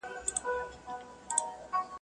په دوکان یې عیال نه سو مړولای.